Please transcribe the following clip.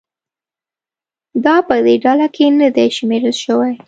دا په دې ډله کې نه دي شمېرل شوي.